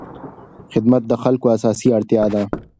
خدمت د خلکو اساسي اړتیا ده.